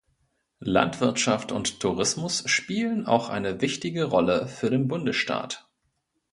Landwirtschaft und Tourismus spielen auch eine wichtige Rolle für den Bundesstaat.